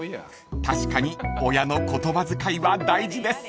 ［確かに親の言葉遣いは大事です］